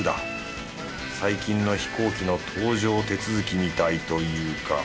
最近の飛行機の搭乗手続きみたいというか。